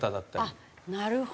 あっなるほど！